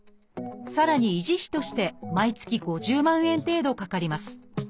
さらに維持費として毎月５０万円程度かかります。